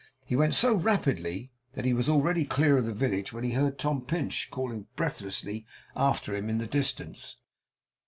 He went so rapidly that he was already clear of the village, when he heard Tom Pinch calling breathlessly after him in the distance.